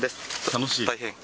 楽しい？